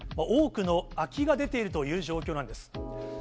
多くの空きが出ているという状況なんです。